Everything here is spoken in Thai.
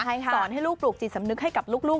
ใช่ค่ะสอนให้ลูกปลูกจิตสำนึกให้กับลูก